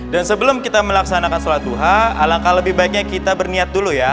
dan sebelum kita melaksanakan sholat duha alangkah lebih baiknya kita berniat dulu ya